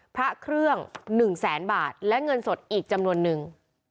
พระเครื่อง๑แสนบาทและเงินสดอีกจำนวนนึง